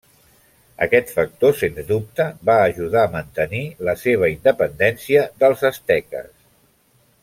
Aquest factor sens dubte va ajudar a mantenir la seva independència dels asteques.